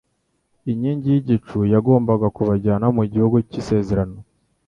inkingi y'igicu yagombaga kubajyana mu gihugu cy'isezerano,